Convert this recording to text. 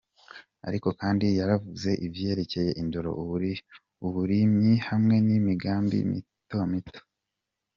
Ariko kandi yaravuze ivyerekeye indero, uburimyi hamwe n'imigambi mitomito.